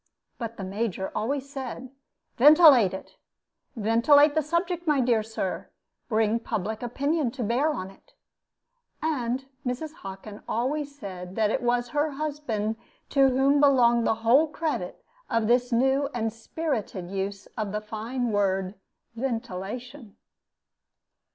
But the Major always said, "Ventilate it, ventilate the subject, my dear Sir; bring public opinion to bear on it." And Mrs. Hockin always said that it was her husband to whom belonged the whole credit of this new and spirited use of the fine word "ventilation."